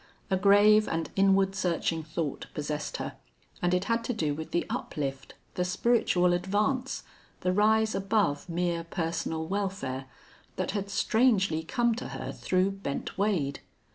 A grave and inward searching thought possessed her, and it had to do with the uplift, the spiritual advance, the rise above mere personal welfare, that had strangely come to her through Bent Wade.